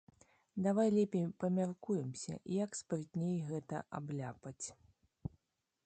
Давай лепей памяркуемся, як спрытней гэта абляпаць.